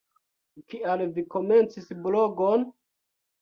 Kial vi komencis blogon?